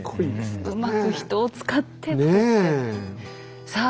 うまく人を使って造って。